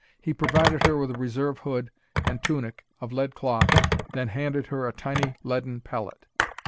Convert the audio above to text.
He provided her with a reserve hood and tunic of lead cloth, then handed her a tiny leaden pellet.